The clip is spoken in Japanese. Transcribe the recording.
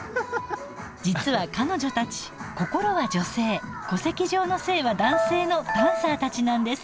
実は彼女たち心は女性戸籍上の性は男性のダンサーたちなんです。